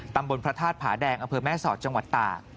ตำบลพระธาตุผาแดงอำเภอแม่สอดจังหวัดตาก